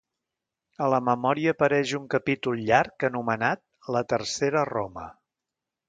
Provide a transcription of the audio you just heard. A la memòria apareix un capítol llarg anomenat "La Tercera Roma".